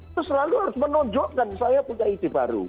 itu selalu harus menunjukkan saya punya ide baru